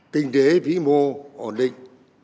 kinh tế vĩ mô ổn định